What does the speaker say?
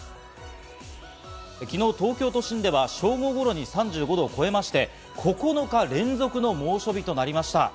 昨日、東京都心では正午頃に３５度を超えまして、９日連続の猛暑日となりました。